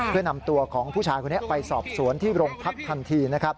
เพื่อนำตัวของผู้ชายคนนี้ไปสอบสวนที่โรงพักทันทีนะครับ